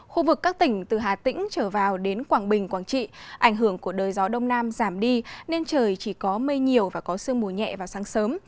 khu vực các tỉnh từ hà tĩnh trở vào đến quảng bình quảng trị ảnh hưởng của đời gió đông nam giảm đi nên trời chỉ có mây nhiều và có sương mù nhẹ vào sáng sớm